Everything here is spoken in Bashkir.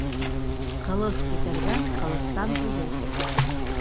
Ҡылыс күтәргән ҡылыстан үлер.